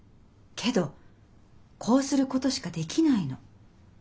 けどこうすることしかできないの。